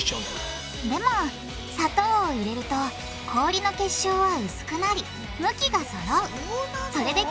でも砂糖を入れると氷の結晶は薄くなり向きがそろうそうなの？